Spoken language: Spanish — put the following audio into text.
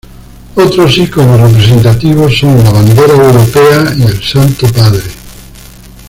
Otros iconos representativos son la bandera europea y el Santo Padre.